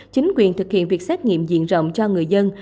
chính quyền thực hiện việc xét nghiệm diện rộng cho người dân